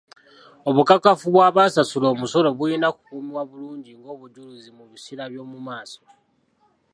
Obukakafu bw'abasasula omusolo bulina kukuumibwa bulungi ng'obujulizi mu biseera by'omu maaso.